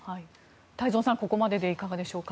太蔵さん、ここまででいかがでしょうか。